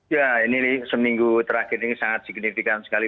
ya ini seminggu terakhir ini sangat signifikan sekali